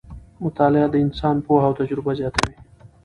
مطالعه د انسان پوهه او تجربه زیاتوي